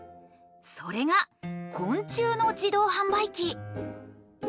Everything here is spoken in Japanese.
それが昆虫の自動販売機！